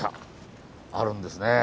あるんですね。